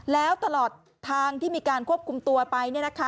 แล้วตลอดทางที่มีการควบคุมตัวไป